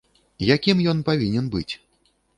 Якім ён павінен быць?